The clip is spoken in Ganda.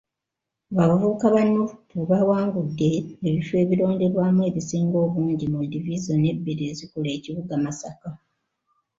Abavubuka ba NUP bawangudde ebifo ebironderwamu ebisinga obungi mu divizoni ebbiri ezikola ekibuga Masaka.